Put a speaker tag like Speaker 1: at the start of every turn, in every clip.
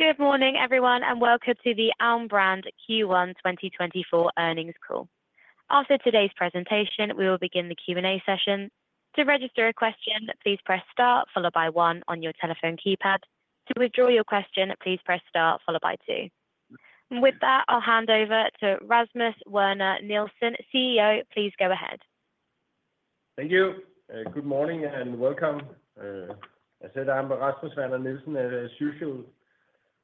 Speaker 1: Good morning, everyone, and welcome to the Alm. Brand Q1 2024 Earnings Call. After today's presentation, we will begin the Q&A session. To register a question, please press star, followed by one on your telephone keypad. To withdraw your question, please press star, followed by two. And with that, I'll hand over to Rasmus Werner Nielsen, CEO. Please go ahead.
Speaker 2: Thank you. Good morning and welcome. As I said, I'm Rasmus Werner Nielsen at Alm. Brand.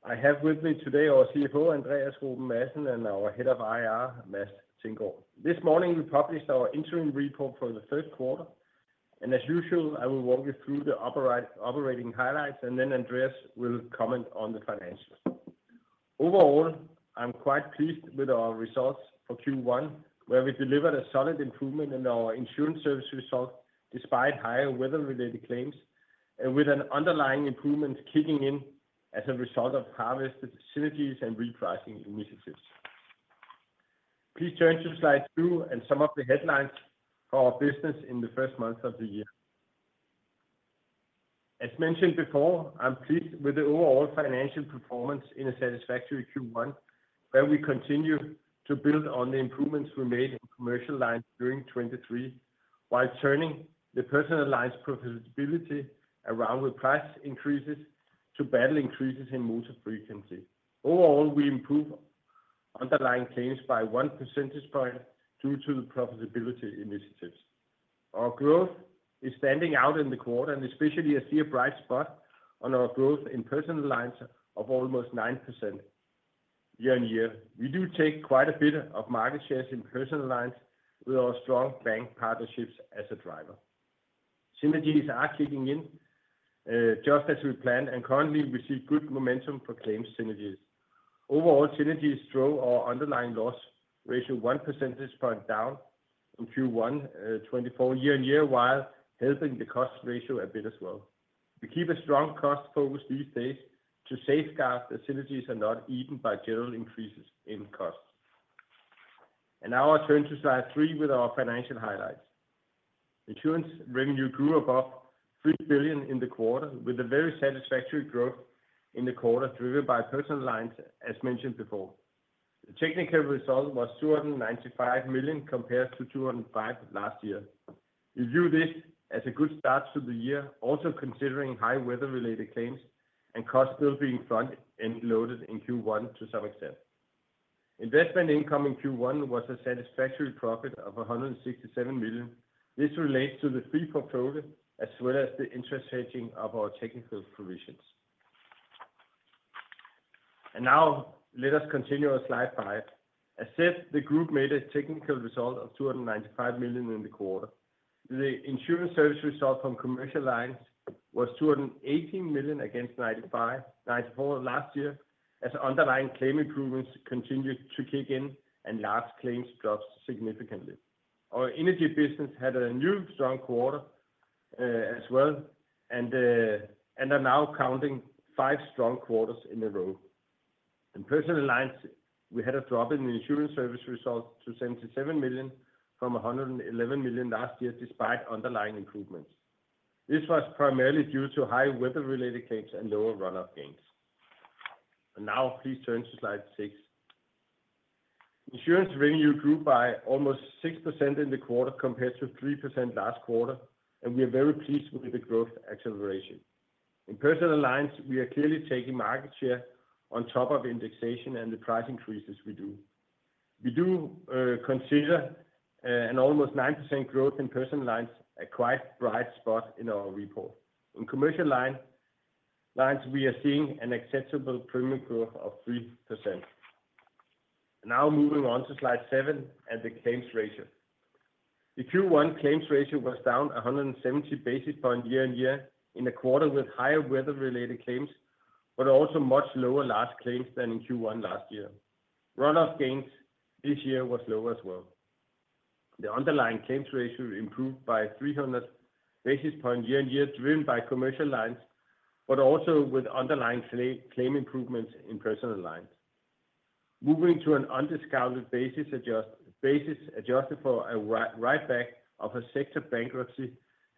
Speaker 2: I have with me today our CFO, Andreas Ruben Madsen, and our Head of IR, Mads Thinggaard. This morning we published our interim report for the third quarter, and as usual, I will walk you through the operating highlights, and then Andreas will comment on the financials. Overall, I'm quite pleased with our results for Q1, where we delivered a solid improvement in our insurance service result despite higher weather-related claims, with an underlying improvement kicking in as a result of harvested synergies and repricing initiatives. Please turn to slide 2 and some of the headlines for our business in the first months of the year. As mentioned before, I'm pleased with the overall financial performance in a satisfactory Q1, where we continue to build on the improvements we made in Commercial Lines during 2023 while turning the Personal Lines' profitability around with price increases to battle increases in motor frequency. Overall, we improve underlying claims by one percentage point due to the profitability initiatives. Our growth is standing out in the quarter, and especially I see a bright spot on our growth in Personal Lines of almost 9% year-on-year. We do take quite a bit of market shares in Personal Lines with our strong bank partnerships as a driver. Synergies are kicking in just as we planned, and currently we see good momentum for claims synergies. Overall, synergies drove our underlying loss ratio one percentage point down in Q1 2024 year-on-year, while helping the cost ratio a bit as well. We keep a strong cost focus these days to safeguard that synergies are not eaten by general increases in costs. Now I'll turn to slide 3 with our financial highlights. Insurance revenue grew above 3 billion in the quarter, with a very satisfactory growth in the quarter driven by personal lines, as mentioned before. The technical result was 295 million compared to 205 million last year. We view this as a good start to the year, also considering high weather-related claims and costs still being front-loaded in Q1 to some extent. Investment income in Q1 was a satisfactory profit of 167 million. This relates to the free portfolio as well as the interest hedging of our technical provisions. Now let us continue on slide 5. As said, the group made a technical result of 295 million in the quarter. The insurance service result from commercial lines was 218 million against 94 million last year as underlying claim improvements continued to kick in and last claims dropped significantly. Our energy business had a new strong quarter as well and are now counting five strong quarters in a row. In personal lines, we had a drop in the insurance service result to 77 million from 111 million last year despite underlying improvements. This was primarily due to high weather-related claims and lower runoff gains. Now please turn to slide 6. Insurance revenue grew by almost 6% in the quarter compared to 3% last quarter, and we are very pleased with the growth acceleration. In personal lines, we are clearly taking market share on top of indexation, and the price increases we do. We do consider an almost 9% growth in personal lines a quite bright spot in our report. In commercial lines, we are seeing an acceptable premium growth of 3%. Now moving on to slide 7 and the claims ratio. The Q1 claims ratio was down 170 basis points year-over-year in a quarter with higher weather-related claims but also much lower large claims than in Q1 last year. Runoff gains this year were lower as well. The underlying claims ratio improved by 300 basis points year-over-year driven by commercial lines but also with underlying claim improvements in personal lines. Moving to an undiscounted basis adjusted for a writeback of a sector bankruptcy,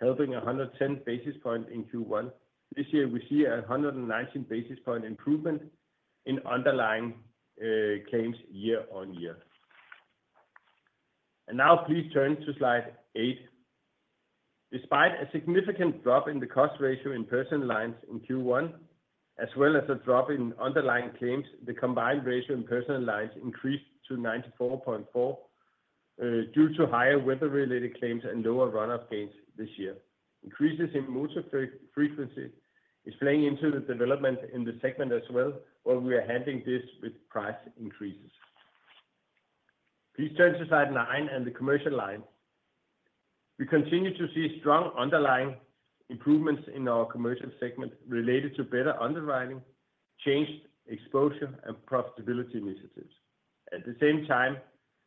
Speaker 2: helping 110 basis points in Q1. This year we see a 119-basis point improvement in underlying claims year-over-year. Now please turn to slide 8. Despite a significant drop in the cost ratio in personal lines in Q1 as well as a drop in underlying claims, the combined ratio in personal lines increased to 94.4 due to higher weather-related claims and lower runoff gains this year. Increases in motor frequency is playing into the development in the segment as well, where we are handling this with price increases. Please turn to slide 9 and the commercial lines. We continue to see strong underlying improvements in our commercial segment related to better underwriting, changed exposure, and profitability initiatives. At the same time,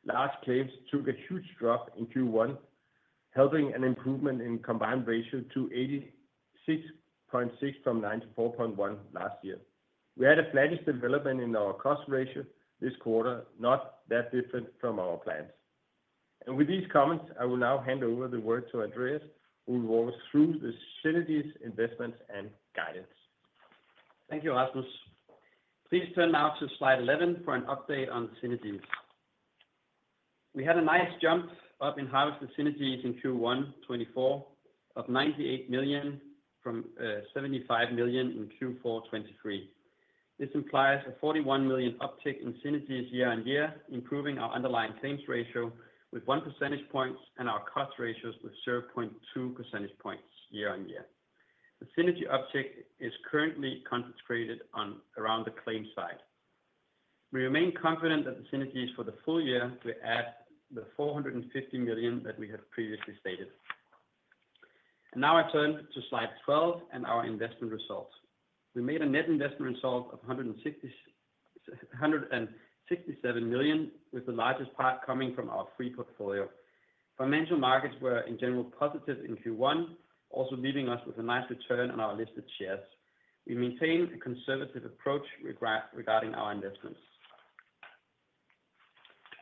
Speaker 2: large claims took a huge drop in Q1, helping an improvement in combined ratio to 86.6 from 94.1 last year. We had a flattish development in our cost ratio this quarter, not that different from our plans. With these comments, I will now hand over the word to Andreas, who will walk us through the synergies, investments, and guidance.
Speaker 3: Thank you, Rasmus. Please turn now to slide 11 for an update on synergies. We had a nice jump up in harvested synergies in Q1 2024 of 98 million from 75 million in Q4 2023. This implies a 41 million uptick in synergies year-on-year, improving our underlying claims ratio with one percentage point and our cost ratios with 0.2 percentage points year-on-year. The synergy uptick is currently concentrated around the claim side. We remain confident that the synergies for the full year will add the 450 million that we had previously stated. And now I turn to slide 12 and our investment results. We made a net investment result of 167 million, with the largest part coming from our free portfolio. Financial markets were, in general, positive in Q1, also leaving us with a nice return on our listed shares. We maintain a conservative approach regarding our investments.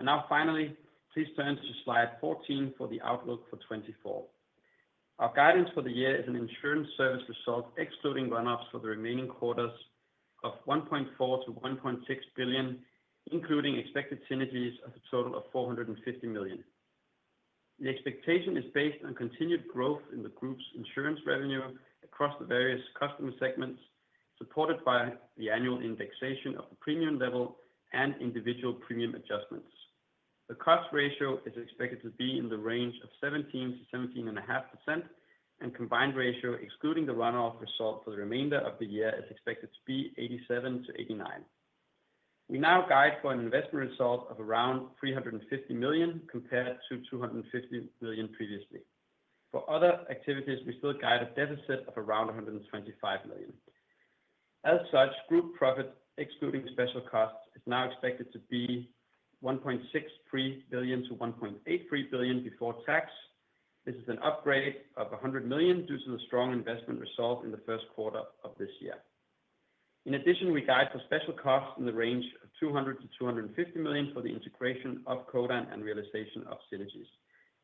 Speaker 3: Now finally, please turn to slide 14 for the outlook for 2024. Our guidance for the year is an insurance service result excluding runoffs for the remaining quarters of 1.4 billion-1.6 billion, including expected synergies of a total of 450 million. The expectation is based on continued growth in the group's insurance revenue across the various customer segments, supported by the annual indexation of the premium level and individual premium adjustments. The cost ratio is expected to be in the range of 17% to 17.5%, and combined ratio excluding the runoff result for the remainder of the year is expected to be 87% to 89%. We now guide for an investment result of around 350 million compared to 250 million previously. For other activities, we still guide a deficit of around 125 million. As such, group profit excluding special costs is now expected to be 1.63 to 1.83 billion before tax. This is an upgrade of 100 million due to the strong investment result in the first quarter of this year. In addition, we guide for special costs in the range of 200 to 250 million for the integration of Codan and realization of synergies.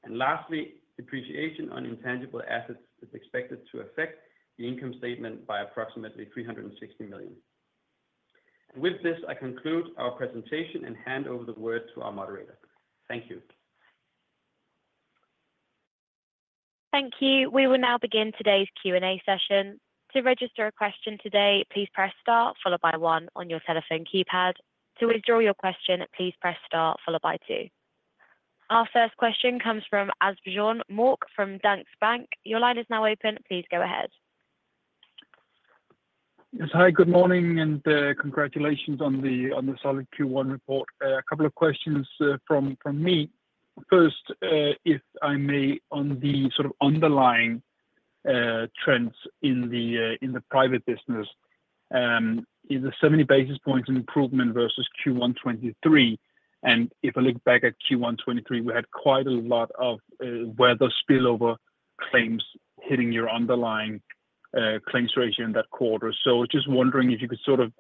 Speaker 3: And lastly, depreciation on intangible assets is expected to affect the income statement by approximately 360 million. And with this, I conclude our presentation and hand over the word to our moderator. Thank you.
Speaker 1: Thank you. We will now begin today's Q&A session. To register a question today, please press star, followed by one on your telephone keypad. To withdraw your question, please press star, followed by two. Our first question comes from Asbjørn Mørk from Danske Bank. Your line is now open. Please go ahead.
Speaker 4: Yes. Hi. Good morning and congratulations on the solid Q1 report. A couple of questions from me. First, if I may, on the sort of underlying trends in the private business. Is there 70 basis points improvement versus Q1 2023? And if I look back at Q1 2023, we had quite a lot of weather spillover claims hitting your underlying claims ratio in that quarter. So just wondering if you could sort of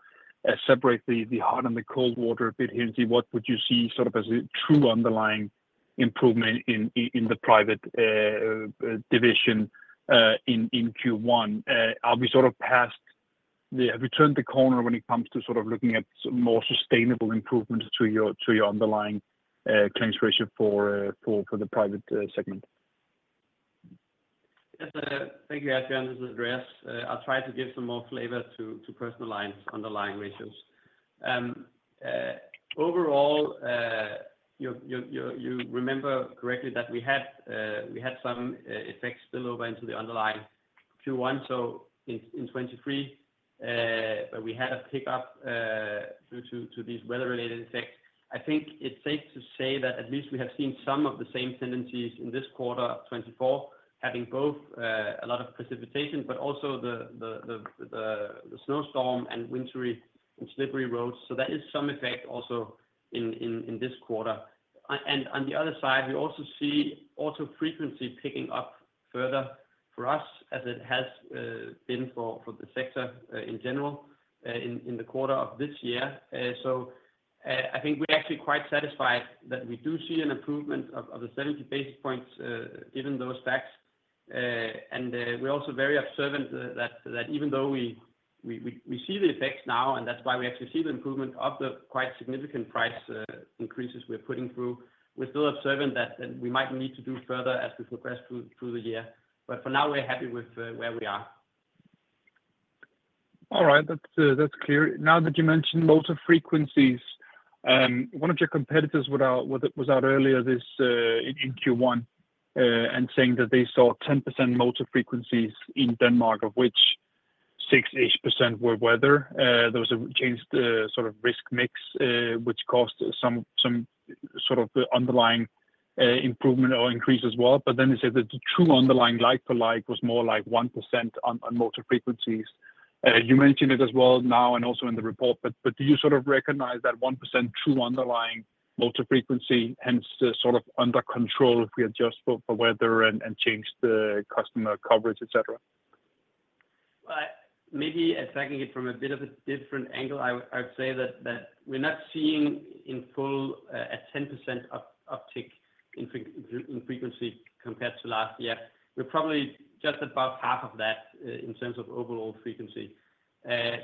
Speaker 4: separate the hot and the cold water a bit here and see what would you see sort of as a true underlying improvement in the private division in Q1. Are we sort of past have we turned the corner when it comes to sort of looking at more sustainable improvements to your underlying claims ratio for the private segment?
Speaker 3: Yes. Thank you, Asbjørn. This is Andreas. I'll try to give some more flavor to personal lines' underlying ratios. Overall, you remember correctly that we had some effects spillover into the underlying Q1, so in 2023, where we had a pickup due to these weather-related effects. I think it's safe to say that at least we have seen some of the same tendencies in this quarter of 2024, having both a lot of precipitation but also the snowstorm and wintry and slippery roads. So there is some effect also in this quarter. And on the other side, we also see auto frequency picking up further for us as it has been for the sector in general in the quarter of this year. So, I think we're actually quite satisfied that we do see an improvement of the 70 basis points given those facts. We're also very observant that even though we see the effects now, and that's why we actually see the improvement of the quite significant price increases we're putting through, we're still observant that we might need to do further as we progress through the year. For now, we're happy with where we are.
Speaker 4: All right. That's clear. Now that you mentioned motor frequencies, one of your competitors was out earlier in Q1 and saying that they saw 10% motor frequencies in Denmark, of which 6-ish% were weather. There was a changed sort of risk mix, which caused some sort of underlying improvement or increase as well. But then you said that the true underlying like-for-like was more like 1% on motor frequencies. You mentioned it as well now and also in the report. But do you sort of recognize that 1% true underlying motor frequency, hence sort of under control if we adjust for weather and change the customer coverage, etc.?
Speaker 3: Maybe attacking it from a bit of a different angle, I would say that we're not seeing a 10% uptick in frequency compared to last year. We're probably just above half of that in terms of overall frequency.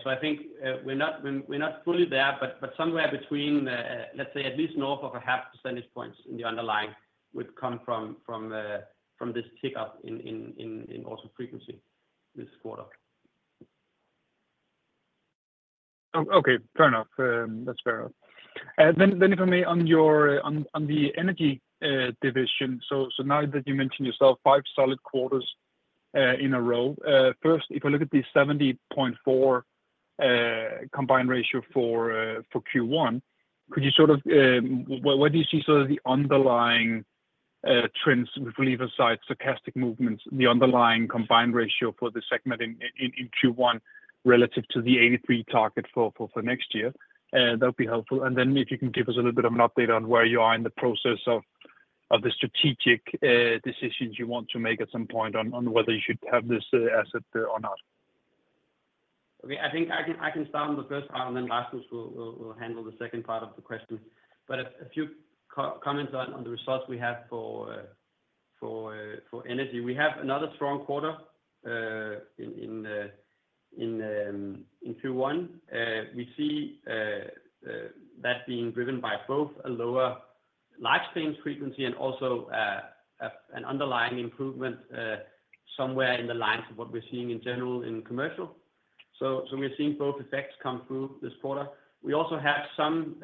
Speaker 3: So I think we're not fully there, but somewhere between, let's say, at least north of a half percentage points in the underlying would come from this pickup in auto frequency this quarter.
Speaker 4: Okay. Fair enough. That's fair enough. Then if I may, on the Energy division, so now that you mentioned yourself five solid quarters in a row, first, if I look at the 70.4 Combined Ratio for Q1, could you sort of where do you see sort of the underlying trends? If we leave aside stochastic movements, the underlying Combined Ratio for the segment in Q1 relative to the 83 target for next year, that would be helpful. And then if you can give us a little bit of an update on where you are in the process of the strategic decisions you want to make at some point on whether you should have this asset or not.
Speaker 3: Okay. I think I can start on the first part, and then Rasmus will handle the second part of the question. But a few comments on the results we have for energy. We have another strong quarter in Q1. We see that being driven by both a lower large claims frequency and also an underlying improvement somewhere in the lines of what we're seeing in general in commercial. So we're seeing both effects come through this quarter. We also have some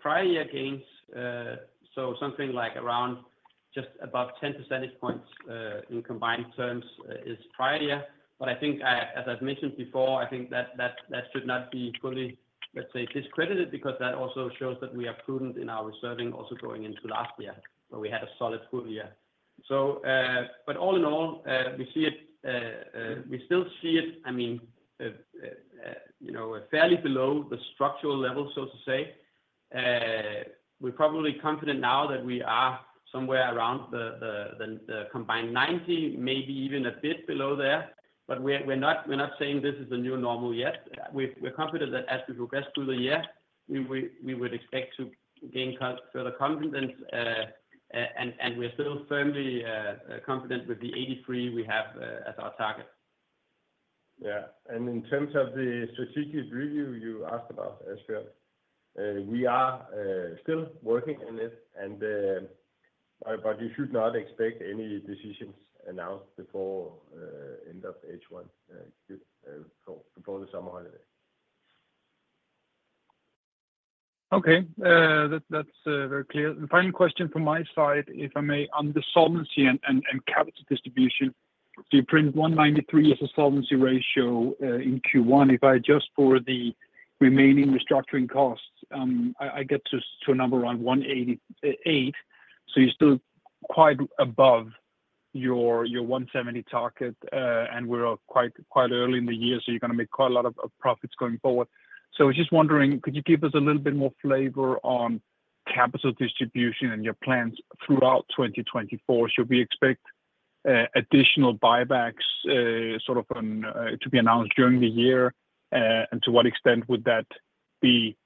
Speaker 3: prior year gains. So something like around just above 10 percentage points in combined terms is prior year. But as I've mentioned before, I think that should not be fully, let's say, discredited because that also shows that we are prudent in our reserving also going into last year, where we had a solid full year. But all in all, we see it we still see it, I mean, fairly below the structural level, so to say. We're probably confident now that we are somewhere around the combined 90, maybe even a bit below there. But we're not saying this is the new normal yet. We're confident that as we progress through the year, we would expect to gain further confidence. And we're still firmly confident with the 83 we have as our target.
Speaker 2: Yeah. In terms of the strategic review you asked about, Asbjørn, we are still working on it, but you should not expect any decisions announced before end of H1, before the summer holiday.
Speaker 4: Okay. That's very clear. Final question from my side, if I may, on the solvency and capital distribution, do you print 193 as a solvency ratio in Q1 if I adjust for the remaining restructuring costs? I get to a number around 188. You're still quite above your 170 target, and we're quite early in the year, so you're going to make quite a lot of profits going forward. I was just wondering, could you give us a little bit more flavor on capital distribution and your plans throughout 2024? Should we expect additional buybacks sort of to be announced during the year, and to what extent would that be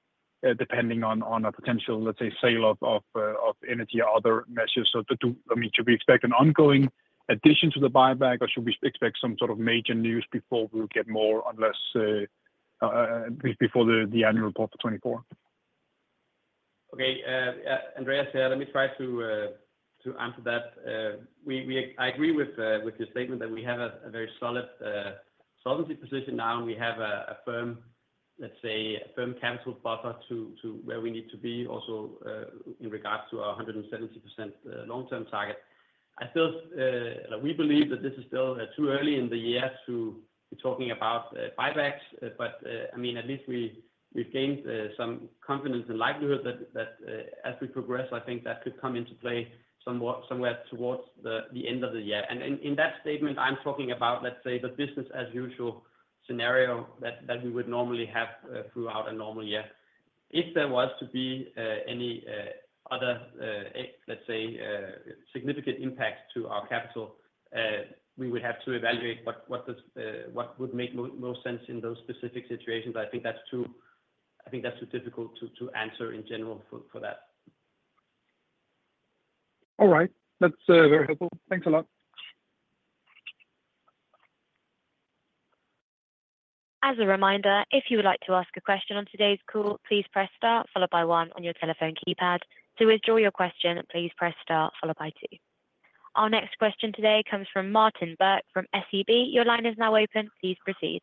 Speaker 4: depending on a potential, let's say, sale of Energy or other measures? So I mean, should we expect an ongoing addition to the buyback, or should we expect some sort of major news before we get more unless before the annual report for 2024?
Speaker 2: Okay. Andreas, let me try to answer that. I agree with your statement that we have a very solid solvency position now, and we have a firm, let's say, firm capital buffer to where we need to be, also in regards to our 170% long-term target. We believe that this is still too early in the year to be talking about buybacks. But I mean, at least we've gained some confidence and likelihood that as we progress, I think that could come into play somewhere towards the end of the year. And in that statement, I'm talking about, let's say, the business-as-usual scenario that we would normally have throughout a normal year. If there was to be any other, let's say, significant impact to our capital, we would have to evaluate what would make most sense in those specific situations. I think that's too difficult to answer in general for that.
Speaker 4: All right. That's very helpful. Thanks a lot.
Speaker 1: As a reminder, if you would like to ask a question on today's call, please press Start, followed by one on your telephone keypad. To withdraw your question, please press Start, followed by two. Our next question today comes from Martin Birk from SEB. Your line is now open. Please proceed.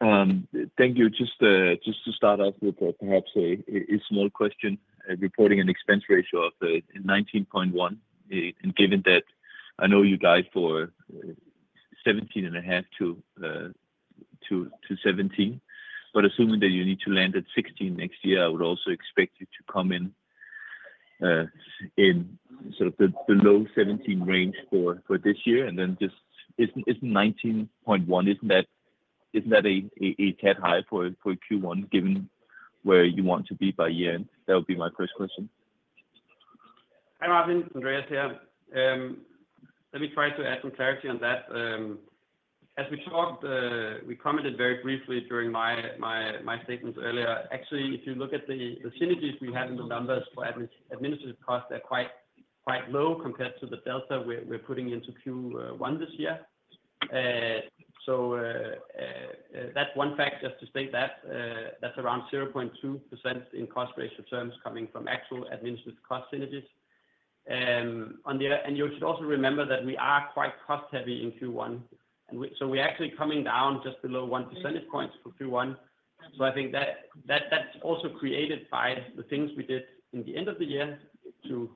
Speaker 5: Thank you. Just to start off with perhaps a small question, reporting an expense ratio of 19.1%. And given that I know you guide for 17.5% to 17%, but assuming that you need to land at 16% next year, I would also expect you to come in sort of the low-17% range for this year. And then just isn't 19.1%, isn't that a tad high for Q1 given where you want to be by year-end? That would be my first question.
Speaker 3: Hi Martin. Andreas here. Let me try to add some clarity on that. As we talked, we commented very briefly during my statements earlier. Actually, if you look at the synergies we have in the numbers for administrative costs, they're quite low compared to the delta we're putting into Q1 this year. So that's one fact, just to state that. That's around 0.2% in cost ratio terms coming from actual administrative cost synergies. And you should also remember that we are quite cost-heavy in Q1. So we're actually coming down just below 1 percentage point for Q1. So I think that's also created by the things we did in the end of the year to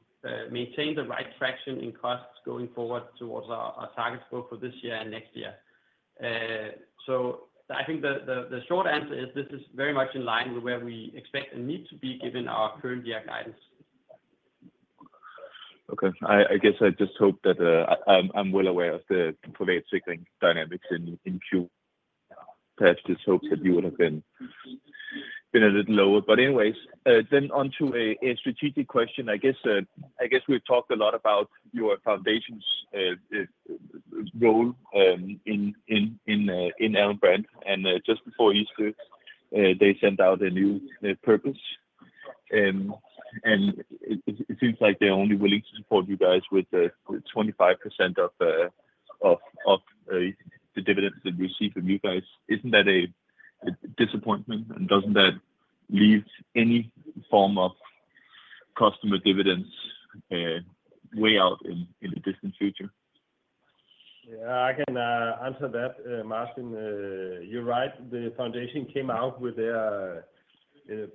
Speaker 3: maintain the right traction in costs going forward towards our targets both for this year and next year. I think the short answer is this is very much in line with where we expect and need to be given our current year guidance.
Speaker 5: Okay. I guess I just hope that I'm well aware of the favorable cycling dynamics in Q. Perhaps just hopes that you would have been a little lower. But anyways, then onto a strategic question. I guess we've talked a lot about your foundation's role in Alm. Brand. And just before Easter, they sent out a new purpose. And it seems like they're only willing to support you guys with 25% of the dividends that we receive from you guys. Isn't that a disappointment? And doesn't that leave any form of customer dividends way out in the distant future?
Speaker 3: Yeah. I can answer that, Martin. You're right. The foundation came out with their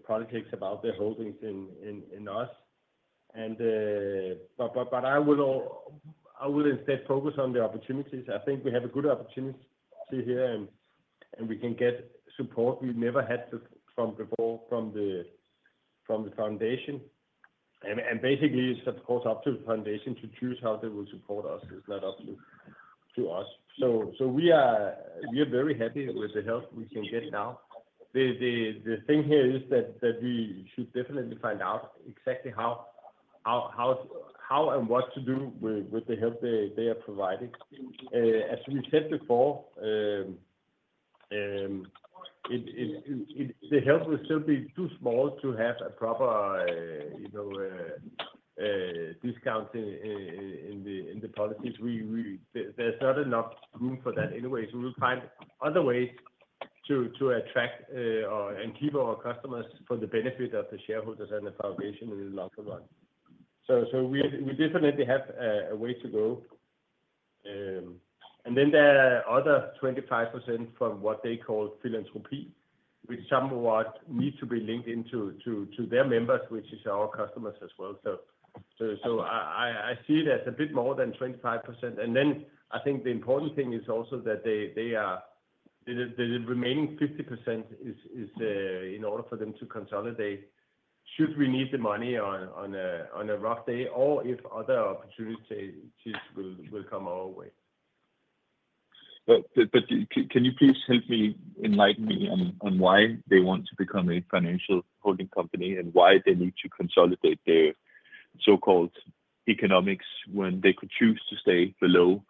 Speaker 3: policy about their holdings in us. But I will instead focus on the opportunities. I think we have a good opportunity here, and we can get support we never had from before from the foundation. And basically, it's, of course, up to the foundation to choose how they will support us. It's not up to us. So we are very happy with the help we can get now. The thing here is that we should definitely find out exactly how and what to do with the help they are providing. As we said before, the help will still be too small to have a proper discount in the policies. There's not enough room for that anyway. So we'll find other ways to attract and keep our customers for the benefit of the shareholders and the foundation in the longer run. So we definitely have a way to go. And then there are other 25% from what they call philanthropy, which some of what needs to be linked into their members, which is our customers as well. So I see it as a bit more than 25%. And then I think the important thing is also that the remaining 50% is in order for them to consolidate should we need the money on a rough day or if other opportunities will come our way.
Speaker 5: Can you please help me enlighten me on why they want to become a financial holding company and why they need to consolidate their so-called economics when they could choose to stay below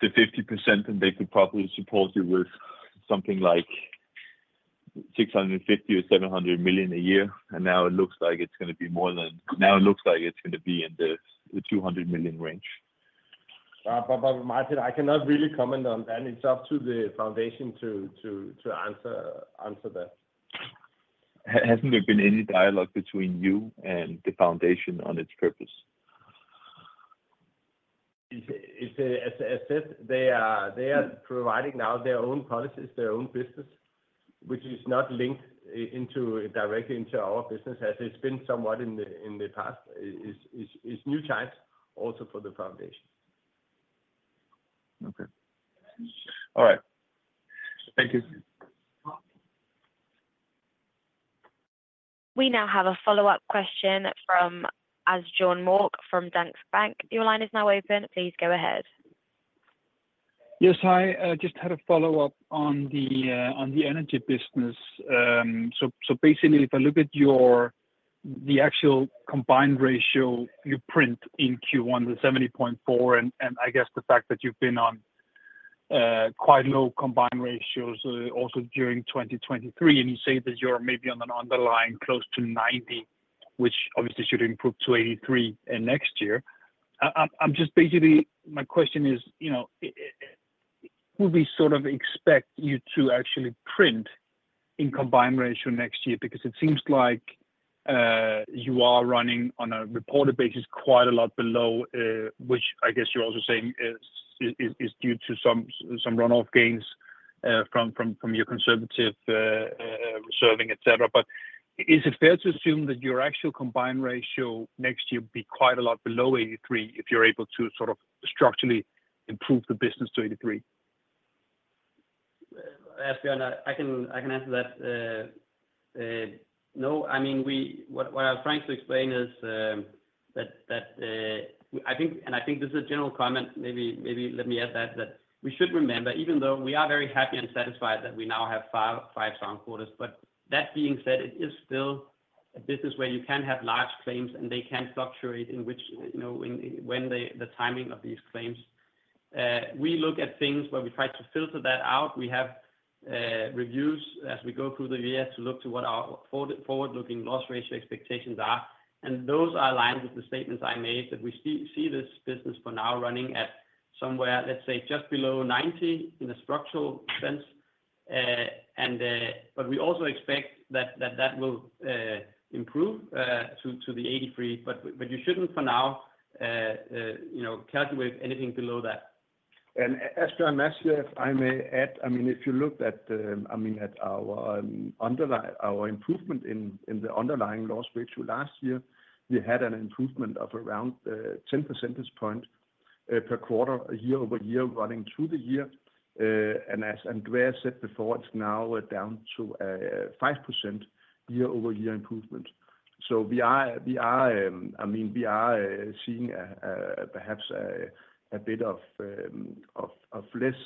Speaker 5: the 50%, and they could probably support you with something like 650 million or 700 million a year. And now it looks like it's going to be more than, now it looks like it's going to be in the 200 million range.
Speaker 3: Martin, I cannot really comment on that. It's up to the foundation to answer that.
Speaker 5: Hasn't there been any dialogue between you and the foundation on its purpose?
Speaker 3: As I said, they are providing now their own policies, their own business, which is not linked directly into our business as it's been somewhat in the past. It's new times also for the foundation.
Speaker 5: Okay. All right. Thank you.
Speaker 1: We now have a follow-up question from Asbjørn Mørk from Danske Bank. Your line is now open. Please go ahead.
Speaker 4: Yes. Hi. I just had a follow-up on the energy business. So basically, if I look at the actual combined ratio you print in Q1, the 70.4, and I guess the fact that you've been on quite low combined ratios also during 2023, and you say that you're maybe on an underlying close to 90, which obviously should improve to 83 next year. Basically, my question is, who would we sort of expect you to actually print in combined ratio next year? Because it seems like you are running on a reported basis quite a lot below, which I guess you're also saying is due to some runoff gains from your conservative reserving, etc. But is it fair to assume that your actual combined ratio next year would be quite a lot below 83 if you're able to sort of structurally improve the business to 83?
Speaker 2: Asbjørn, I can answer that. No. I mean, what I was trying to explain is that I think and I think this is a general comment. Maybe let me add that, that we should remember, even though we are very happy and satisfied that we now have five sound quarters. But that being said, it is still a business where you can have large claims, and they can fluctuate in when the timing of these claims. We look at things where we try to filter that out. We have reviews as we go through the year to look to what our forward-looking loss ratio expectations are. And those are aligned with the statements I made, that we see this business for now running at somewhere, let's say, just below 90 in a structural sense. But we also expect that that will improve to the 83. You shouldn't for now calculate anything below that.
Speaker 3: Asbjørn Mørk, if I may add, I mean, if you look at, I mean, at our improvement in the underlying loss ratio last year, we had an improvement of around 10 percentage point per quarter year-over-year running through the year. And as Andreas said before, it's now down to a 5% year-over-year improvement. So we are, I mean, we are seeing perhaps a bit of less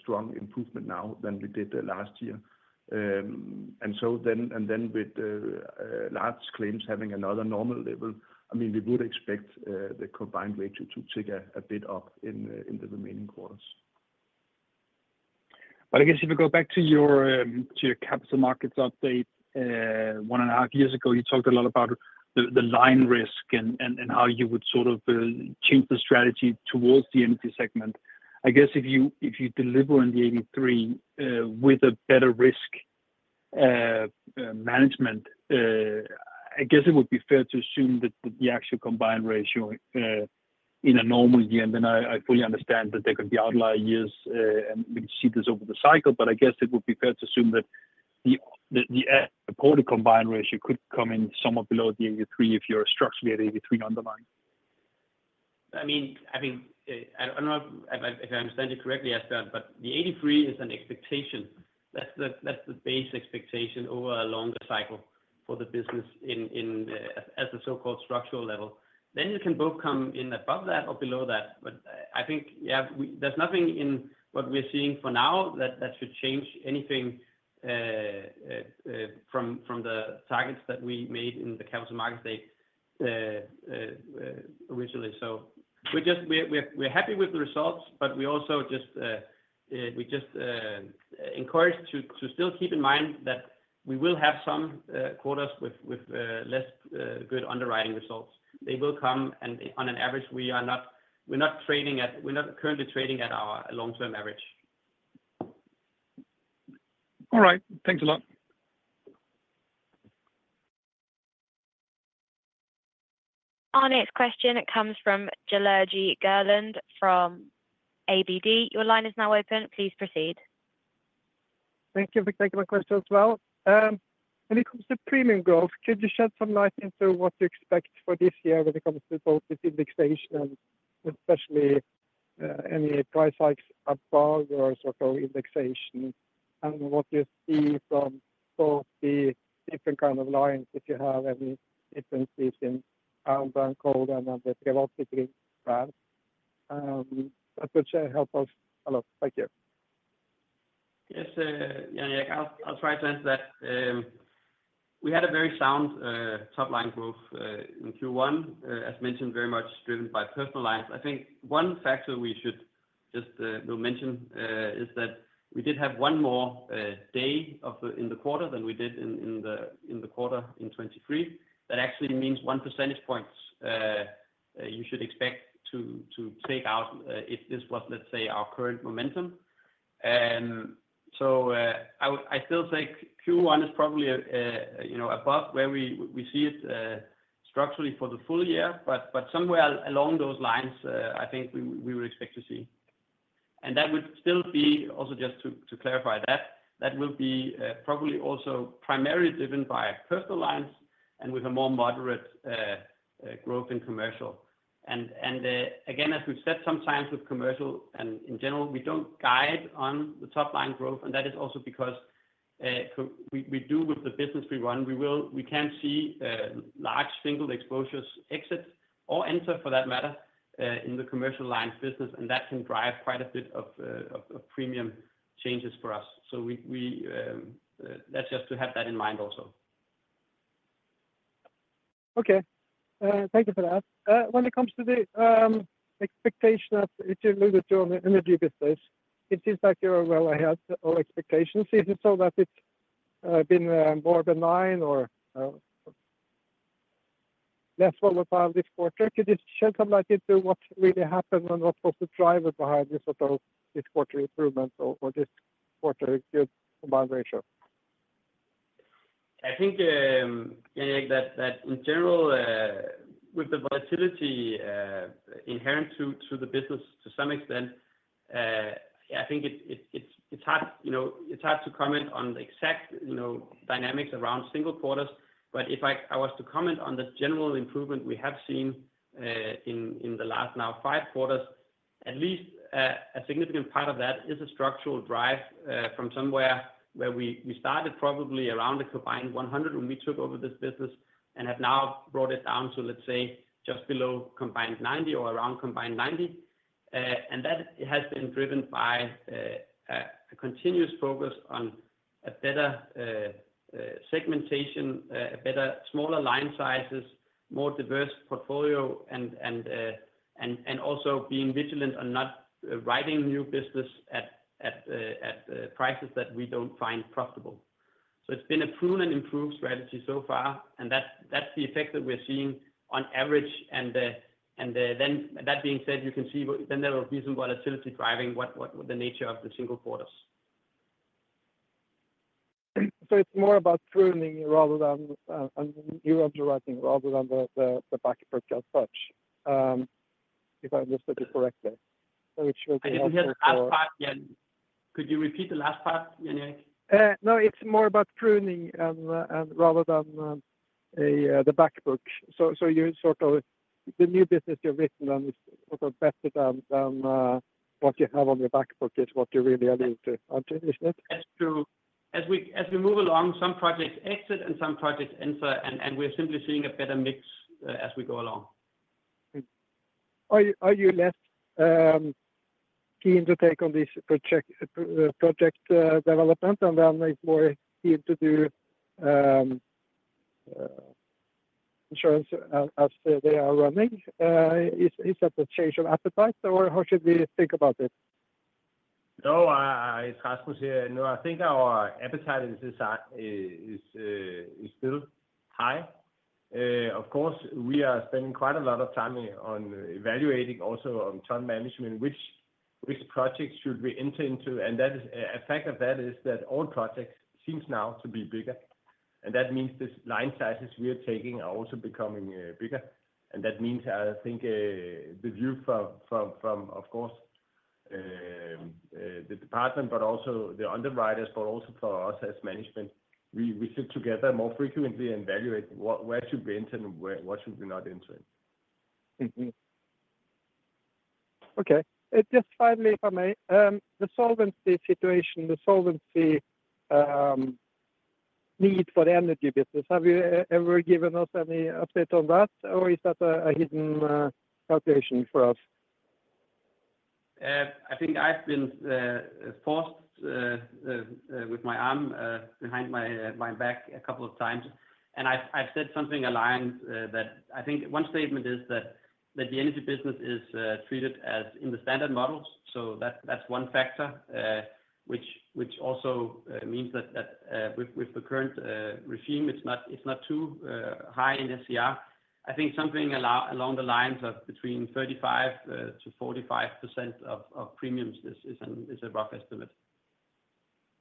Speaker 3: strong improvement now than we did last year. And then with large claims having another normal level, I mean, we would expect the combined ratio to tick a bit up in the remaining quarters.
Speaker 4: But I guess if we go back to your capital markets update, 1.5 years ago, you talked a lot about the line risk and how you would sort of change the strategy towards the energy segment. I guess if you deliver in the 83 with a better risk management, I guess it would be fair to assume that the actual combined ratio in a normal year, and then I fully understand that there could be outlier years, and we could see this over the cycle. But I guess it would be fair to assume that the reported combined ratio could come in somewhat below the 83 if you're structurally at 83 underlying.
Speaker 2: I mean, I don't know if I understand you correctly, Asbjørn, but the 83 is an expectation. That's the base expectation over a longer cycle for the business as a so-called structural level. Then you can both come in above that or below that. But I think, yeah, there's nothing in what we're seeing for now that should change anything from the targets that we made in the Capital Markets Day originally. So we're happy with the results, but we also just encourage to still keep in mind that we will have some quarters with less good underwriting results. They will come, and on an average, we are not currently trading at our long-term average.
Speaker 4: All right. Thanks a lot.
Speaker 1: Our next question, it comes from Jan Erik Gjerland from ABG Sundal Collier. Your line is now open. Please proceed.
Speaker 6: Thank you. Thank you for my question as well. When it comes to premium growth, could you shed some light into what to expect for this year when it comes to both this indexation and especially any price hikes above your sort of indexation and what you see from both the different kind of lines if you have any differences in Alm. Brand, Codan, and the pre-Codan brands? That would help us a lot. Thank you.
Speaker 2: Yes, Jan Erik. I'll try to answer that. We had a very sound top-line growth in Q1, as mentioned, very much driven by personal lines. I think one factor we should just mention is that we did have one more day in the quarter than we did in the quarter in 2023. That actually means one percentage point you should expect to take out if this was, let's say, our current momentum. So I still think Q1 is probably above where we see it structurally for the full year, but somewhere along those lines, I think we would expect to see. And that would still be also just to clarify that, that will be probably also primarily driven by personal lines and with a more moderate growth in commercial. And again, as we've said sometimes with commercial and in general, we don't guide on the top-line growth. That is also because we do with the business we run, we can see large single exposures exit or enter, for that matter, in the commercial lines business, and that can drive quite a bit of premium changes for us. That's just to have that in mind also.
Speaker 6: Okay. Thank you for that. When it comes to the expectation of if you look at your energy business, it seems like you're well ahead of expectations. Is it so that it's been more benign or less volatile this quarter? Could you shed some light into what really happened and what was the driver behind this sort of this quarter improvement or this quarter good combined ratio?
Speaker 2: I think, Jan Erik, that in general, with the volatility inherent to the business to some extent, yeah, I think it's hard to comment on the exact dynamics around single quarters. But if I was to comment on the general improvement we have seen in the last now 5 quarters, at least a significant part of that is a structural drive from somewhere where we started probably around the combined 100 when we took over this business and have now brought it down to, let's say, just below combined 90 or around combined 90. And that has been driven by a continuous focus on a better segmentation, a better smaller line sizes, more diverse portfolio, and also being vigilant on not writing new business at prices that we don't find profitable. So it's been a prune-and-improve strategy so far, and that's the effect that we're seeing on average. And then that being said, you can see then there will be some volatility driving the nature of the single quarters.
Speaker 6: So, it's more about pruning rather than you're observing rather than the back book as such, if I understood you correctly, which would be helpful for us.
Speaker 3: It's the last part, Jan Erik. Could you repeat the last part, Jan Erik?
Speaker 6: No, it's more about pruning rather than the back book. So, the new business you've written on is sort of better than what you have on your back book is what you really allude to, Andreas, isn't it?
Speaker 3: As we move along, some projects exit and some projects enter, and we're simply seeing a better mix as we go along.
Speaker 6: Are you less keen to take on these project developments and then it's more keen to do insurance as they are running? Is that a change of appetite, or how should we think about it?
Speaker 2: No, it's Rasmus here. No, I think our appetite is still high. Of course, we are spending quite a lot of time on evaluating also on time management, which projects should we enter into. A fact of that is that old projects seem now to be bigger. That means the line sizes we are taking are also becoming bigger. That means, I think, the view from, of course, the department, but also the underwriters, but also for us as management, we sit together more frequently and evaluate where should we enter and what should we not enter in.
Speaker 6: Okay. Just finally, if I may, the solvency situation, the solvency need for the energy business, have you ever given us any update on that, or is that a hidden calculation for us?
Speaker 3: I think I've been forced with my arm behind my back a couple of times. I've said something along the lines that I think one statement is that the energy business is treated as in the standard models. That's one factor, which also means that with the current regime, it's not too high in SCR. I think something along the lines of between 35% to 45% of premiums is a rough estimate.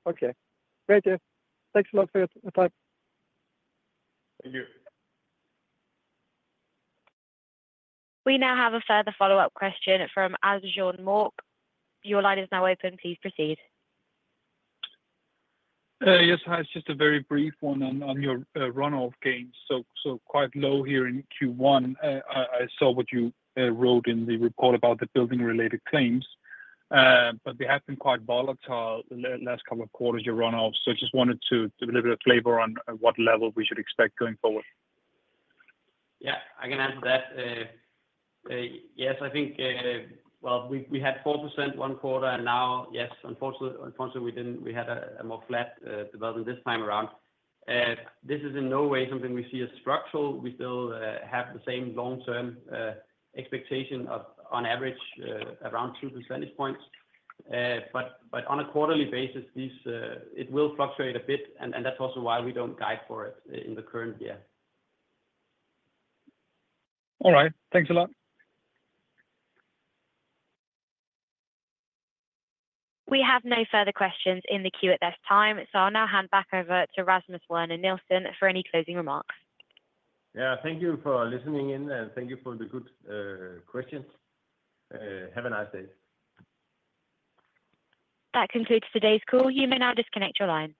Speaker 6: Okay. Great tip. Thanks a lot for your time.
Speaker 3: Thank you.
Speaker 1: We now have a further follow-up question from Asbjørn Mørk. Your line is now open. Please proceed.
Speaker 4: Yes. Hi. It's just a very brief one on your runoff gains. So quite low here in Q1. I saw what you wrote in the report about the building-related claims, but they have been quite volatile the last couple of quarters, your runoffs. So I just wanted to give a little bit of flavor on what level we should expect going forward.
Speaker 2: Yeah, I can answer that. Yes, I think, well, we had 4% one quarter, and now, yes, unfortunately, we had a more flat development this time around. This is in no way something we see as structural. We still have the same long-term expectation on average around 2% points. But on a quarterly basis, it will fluctuate a bit, and that's also why we don't guide for it in the current year.
Speaker 4: All right. Thanks a lot.
Speaker 1: We have no further questions in the queue at this time, so I'll now hand back over to Rasmus Werner Nielsen for any closing remarks.
Speaker 2: Yeah, thank you for listening in, and thank you for the good questions. Have a nice day.
Speaker 1: That concludes today's call. You may now disconnect your line.